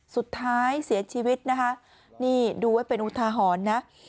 สุดท้ายเสียชีวิตนะคะนี่ดูไว้เป็นอุทาหรณ์นะ